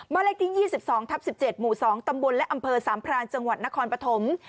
เลขที่๒๒ทับ๑๗หมู่๒ตำบลและอำเภอสามพรานจังหวัดนครปฐม